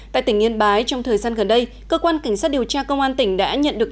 tại tỉnh yên bái trong thời gian gần đây cơ quan cảnh sát điều tra công an tỉnh đã nhận được